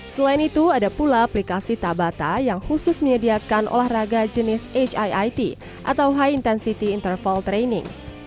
selain itu ada pula aplikasi tabata yang khusus menyediakan olahraga jenis hiit atau high intensity interval training